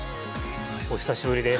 お久しぶりです。